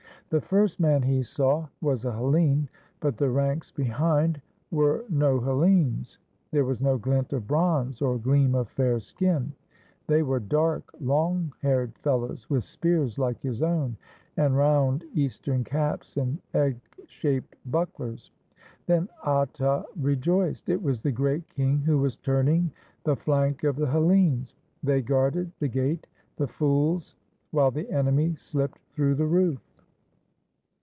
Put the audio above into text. The first man he saw was a Hellene, but the ranks behind were no Hel lenes. There was no glint of bronze or gleam of fair skin. They were dark, long haired fellows, with spears like his own and round eastern caps and egg shaped bucklers. Then Atta rejoiced. It was the Great King who was turning the flank of the Hellenes. They guarded the gate, the fools, while the enemy slipped through the roof.